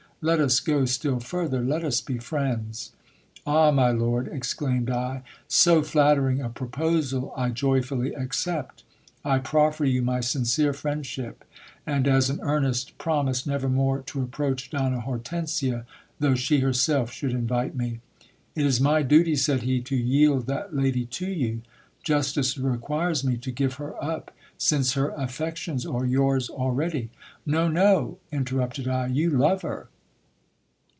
Let us go still further ; let us be friends. Ah ! my lord, exclaimed I, so flattering a proposal I joyfully accept. I proffer you my sincere friend ship ; and, as an earnest, promise never more to approach Donna Hortensia, though she herself should invite me. It is my duty, said he, to yield that lady to you. Justice requires me to give her up, since her affections are yours already. No.no, interrupted I ; you love her.